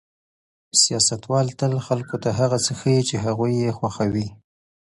سیاستوال تل خلکو ته هغه څه ښيي چې هغوی یې خوښوي.